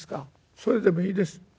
それでもいいです。